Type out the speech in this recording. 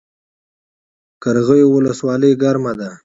قرغیو ولسوالۍ ګرمه ده؟